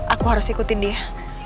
aku harus ikutin dia